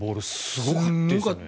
すごかった。